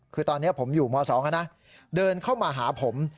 คือตอนนี้ผมอยู่ม๒แล้วนะเดินเข้ามาหาผม